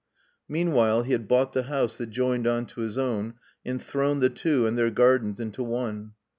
Meanwhile he had bought the house that joined on to his own and thrown the two and their gardens into one.